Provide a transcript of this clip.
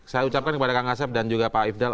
saya ucapkan kepada kang asep dan juga pak ifdal